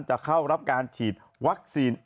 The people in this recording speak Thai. จะเข้ารับการฉีดวัคซีน